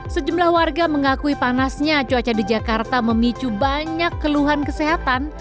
sejumlah warga mengakui panasnya cuaca di jakarta memicu banyak keluhan kesehatan